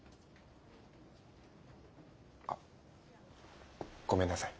あっごめんなさい。